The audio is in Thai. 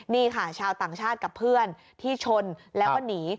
นี่ค่ะชาวต่างชาติกับเพื่อนที่ชนแล้วก็หนี